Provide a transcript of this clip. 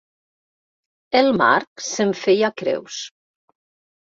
El Marc se'n feia creus.